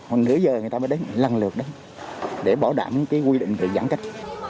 còn nửa giờ người ta mới đến lần lượt đấy để bảo đảm cái quy định về giãn cách